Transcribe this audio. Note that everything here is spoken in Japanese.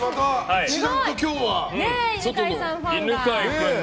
一段と今日は外の。